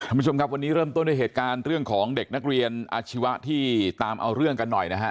คุณผู้ชมครับวันนี้เริ่มต้นด้วยเหตุการณ์เรื่องของเด็กนักเรียนอาชีวะที่ตามเอาเรื่องกันหน่อยนะฮะ